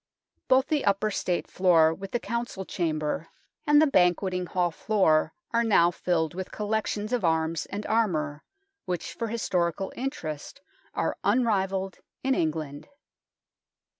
Both the upper State floor with the Council Chamber and the Banquet THE NORMAN KEEP 37 ing Hall floor are now filled with the collec tions of arms and armour, which for historical interest are unrivalled in England.